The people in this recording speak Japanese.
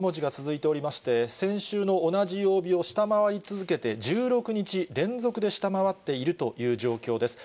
現在は、ずっと青い文字が続いておりまして、先週の同じ曜日を下回り続けて、１６日連続で下回っているという状況です。